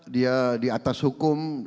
dia di atas hukum